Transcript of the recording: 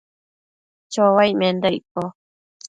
chouaic menda icco ?